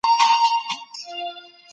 دغه سړی پرون ډېر عادل ښکارېدی.